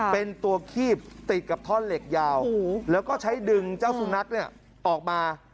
เป็นตัวคีบติดกับท่อนเหล็กยาวแล้วก็ใช้ดึงเจ้าสุนัขออกมา